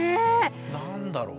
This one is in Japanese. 何だろう。